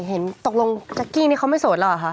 เห็นตกลงจั๊กกี้นี่เขาไม่โสดเหรอล่ะค่ะ